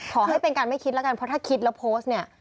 ขอให้เป็นการไม่คิดแล้วกันเพราะถ้าคิดแล้วโพสต์เนี่ย